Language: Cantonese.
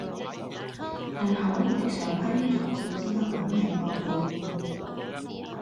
但可憐的上班一族就只能「搵命博」了